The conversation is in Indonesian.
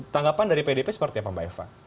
tanggapan dari pdp seperti apa mbak eva